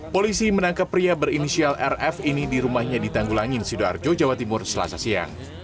polisi menangkap pria berinisial rf ini di rumahnya di tanggulangin sidoarjo jawa timur selasa siang